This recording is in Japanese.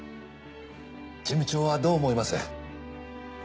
事務長はどう思います？